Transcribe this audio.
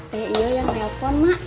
t i o yang telepon mak